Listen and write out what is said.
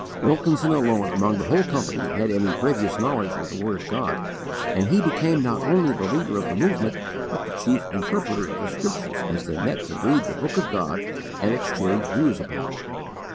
Wilkinson alone among the whole company had any previous knowledge of the word of God, and he became not only the leader of the movement, but the chief interpreter of the Scriptures as they met to read the Book of God and exchange views upon it.